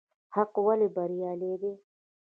حق ولې بريالی دی؟